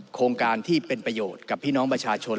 โครงการที่เป็นประโยชน์กับพี่น้องประชาชน